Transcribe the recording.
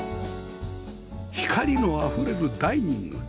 光のあふれるダイニング